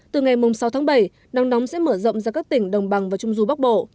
từ ngày sáu tháng bảy nắng nóng sẽ mở rộng ra các tỉnh đồng bằng và trung du bắc bộ